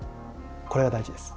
これが大事です。